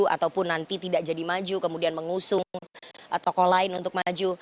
ataupun nanti tidak jadi maju kemudian mengusung tokoh lain untuk maju